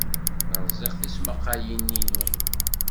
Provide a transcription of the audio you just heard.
Rẓiɣ tismaqqalin-inu.